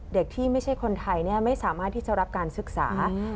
เด็กที่ไม่ใช่คนไทยไม่สามารถที่จะรับการศึกษา